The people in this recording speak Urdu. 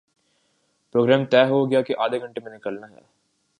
پروگرام طے ہو گیا کہ آدھےگھنٹے میں نکلنا ہے